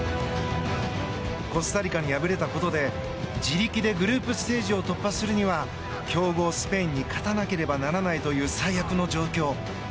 コスタリカに敗れたことで自力でグループステージを突破するには強豪スペインに勝たなければならないという最悪の状況。